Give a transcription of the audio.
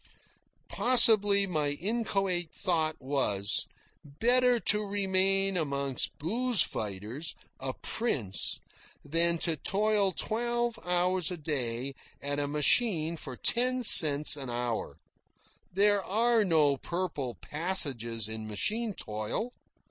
Possibly my inchoate thought was: Better to reign among booze fighters a prince than to toil twelve hours a day at a machine for ten cents an hour. There are no purple passages in machine toil.